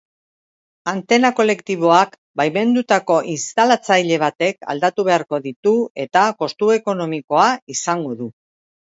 Antena kolektiboak baimendutako instalatzaile batek aldatu beharko ditu eta kostu ekonomikoa izango du.